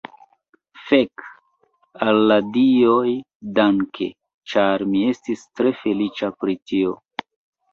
Fek, al la dioj danke! ĉar mi estis tre feliĉa pri tio.